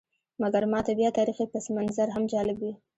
مګر ماته بیا تاریخي پسمنظر هم جالب وي.